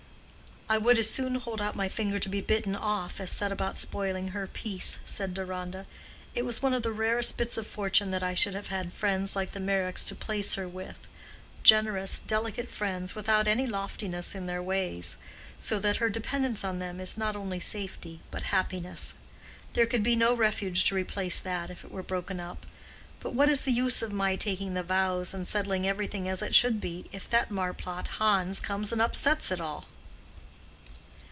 "I would as soon hold out my finger to be bitten off as set about spoiling her peace," said Deronda. "It was one of the rarest bits of fortune that I should have had friends like the Meyricks to place her with—generous, delicate friends without any loftiness in their ways, so that her dependence on them is not only safety but happiness. There could be no refuge to replace that, if it were broken up. But what is the use of my taking the vows and settling everything as it should be, if that marplot Hans comes and upsets it all?"